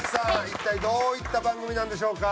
一体どういった番組なんでしょうか？